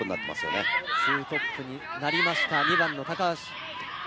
２トップになりました、２番の高橋。